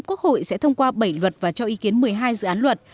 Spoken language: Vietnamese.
tại kỳ họp thứ năm quốc hội sẽ thông qua bảy luật và cho ý kiến một mươi hai dự án luật